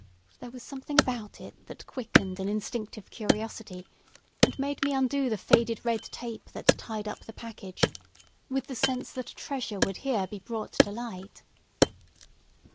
There was something about it that quickened an instinctive curiosity, and made me undo the faded red tape that tied up the package, with the sense that a treasure would here be brought to light.